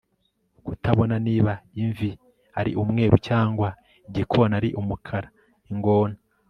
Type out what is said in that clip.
kutabona niba imvi ari umweru cyangwa igikona ari umukara? ingona